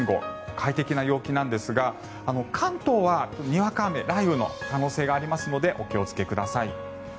快適な陽気なんですが関東は、にわか雨、雷雨の可能性がありますのでお気をつけください。